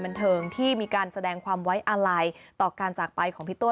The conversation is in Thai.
บันเทิงที่มีการแสดงความไว้อาลัยต่อการจากไปของพี่ตัว